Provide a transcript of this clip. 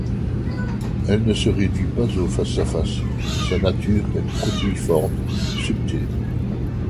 Elle ne se réduit pas au face à face, sa nature est protéiforme, subtile.